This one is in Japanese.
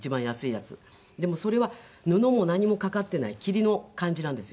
でもそれは布も何もかかっていない桐の感じなんですよ。